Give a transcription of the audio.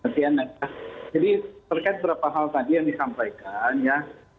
jadi terkait beberapa hal tadi yang disampaikan ya